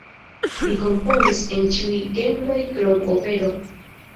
Li komponis en ĉiuj genroj krom opero.